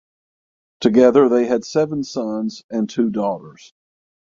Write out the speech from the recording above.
Together they had seven sons and two daughters.